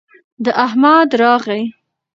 د احمد راغى